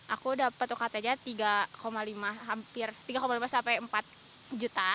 aku dapat ukt nya rp tiga lima sampai rp empat juta